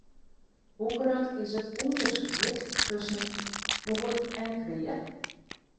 Hoe grut is it ûnderskied tusken goed en kwea?